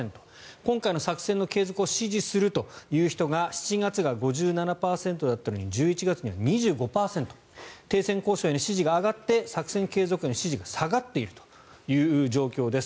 今回の作戦の継続を支持するという人が７月が５７％だったのに１１月には２５％停戦交渉の支持が上がって作戦継続の支持が下がっているという状況です。